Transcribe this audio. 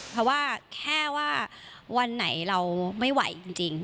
เพราะว่าแค่ว่าวันไหนเราไม่ไหวจริง